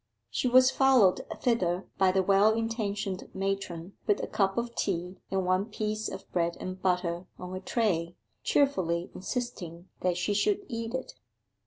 She was followed thither by the well intentioned matron with a cup of tea and one piece of bread and butter on a tray, cheerfully insisting that she should eat it.